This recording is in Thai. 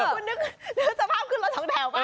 คุณนึกสภาพขึ้นรถสองแถวป่